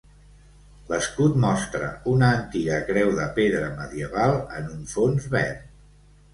L'escut mostra una antiga creu de pedra medieval en un fons verd.